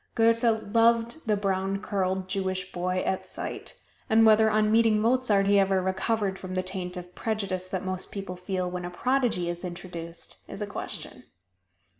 Goethe loved the brown curled Jewish boy at sight; and whether on meeting Mozart he ever recovered from the taint of prejudice that most people feel when a prodigy is introduced, is a question.